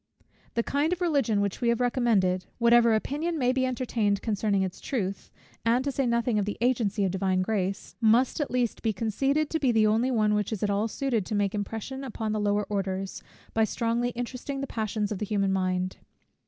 The kind of Religion which we have recommended, whatever opinion may be entertained concerning its truth, and to say nothing of the agency of Divine Grace, must at least be conceded to be the only one which is at all suited to make impression upon the lower orders, by strongly interesting the passions of the human mind.